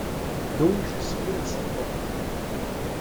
Donc j'ai sonné à sa porte.